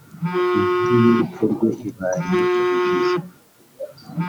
Inkuru y’urupfu rwe ibaye urujijo